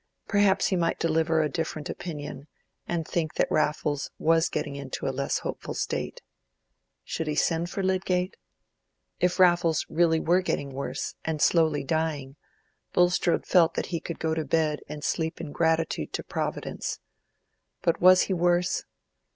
Perhaps he might deliver a different opinion, and think that Raffles was getting into a less hopeful state. Should he send for Lydgate? If Raffles were really getting worse, and slowly dying, Bulstrode felt that he could go to bed and sleep in gratitude to Providence. But was he worse?